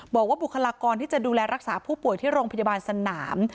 บุคลากรที่จะดูแลรักษาผู้ป่วยที่โรงพยาบาลสนาม